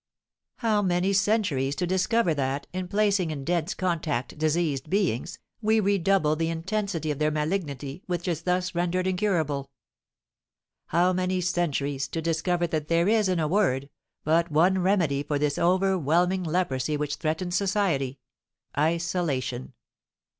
How many centuries to discover that, in placing in dense contact diseased beings, we redouble the intensity of their malignity, which is thus rendered incurable! How many centuries to discover that there is, in a word, but one remedy for this overwhelming leprosy which threatens society, isolation!